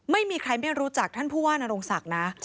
ไม่มีใครไม่รู้จักท่านผู้ว่านโรงศักดิ์นะ